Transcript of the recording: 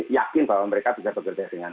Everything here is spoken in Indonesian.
yakin bahwa mereka bisa bekerja dengan